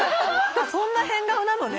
そんな変顔なのね。